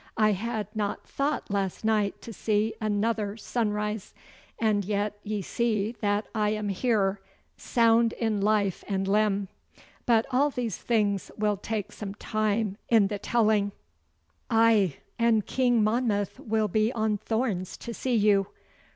'I had not thought last night to see another sun rise, and yet ye see that I am here, sound in life and limb. But all these things will take some time in the telling.' 'Aye, and King Monmouth will be on thorns to see you.